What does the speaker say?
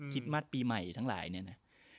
คฤตมัติปีใหม่ทั้งหลายเนี้ยนะ